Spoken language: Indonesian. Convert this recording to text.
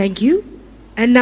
dan sekarang kita